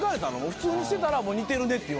普通にしてたら似てるねって言われた？